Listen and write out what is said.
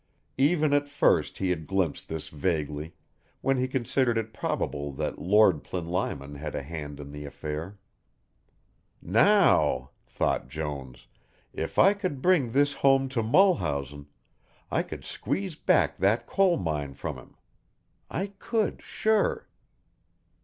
Even at first he had glimpsed this vaguely, when he considered it probable that Lord Plinlimon had a hand in the affair. "Now," thought Jones, "if I could bring this home to Mulhausen, I could squeeze back that coal mine from him. I could sure."